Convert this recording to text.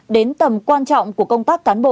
đến tầm quan trọng